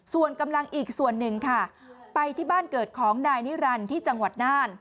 ส่วนกำลังอีกส่วนหนึ่งค่ะไปที่บ้านเกิดของนายนิรันดิ์ที่จังหวัดน่าน